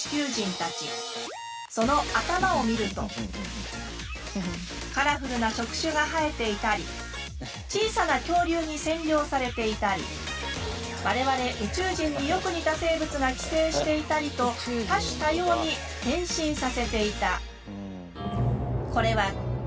その頭を見るとカラフルな触手が生えていたり小さな恐竜に占領されていたり我々宇宙人によく似た生物が寄生していたりと多種多様に変身させていた。